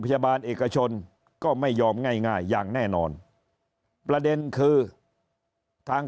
พยาบาลเอกชนก็ไม่ยอมง่ายอย่างแน่นอนประเด็นคือทาง